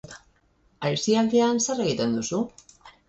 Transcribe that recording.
Aisialdian zer egiten duzu?